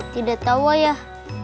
tidak tahu ayah